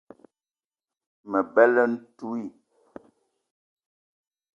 Me bela ntouii